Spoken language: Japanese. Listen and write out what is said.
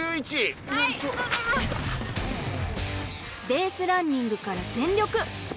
ベースランニングから全力。